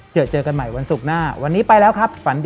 เจอเจอกันใหม่วันศุกร์หน้า